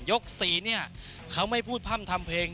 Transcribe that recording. ๔เนี่ยเขาไม่พูดพร่ำทำเพลง